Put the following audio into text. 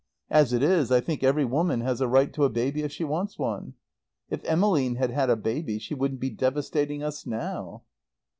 As it is, I think every woman has a right to have a baby if she wants one. If Emmeline had had a baby, she wouldn't be devastating us now."